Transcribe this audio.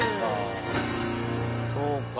そうか。